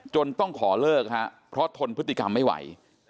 ต้องขอเลิกฮะเพราะทนพฤติกรรมไม่ไหว